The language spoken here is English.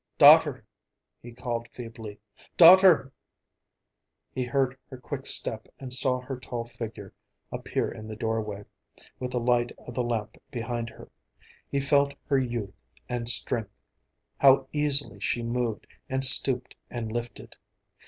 "Dotter," he called feebly, "dotter!" He heard her quick step and saw her tall figure appear in the doorway, with the light of the lamp behind her. He felt her youth and strength, how easily she moved and stooped and lifted.